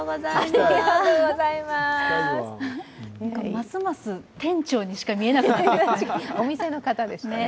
ますます店長にしか見えなくなってきましたね。